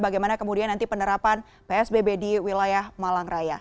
bagaimana kemudian nanti penerapan psbb di wilayah malang raya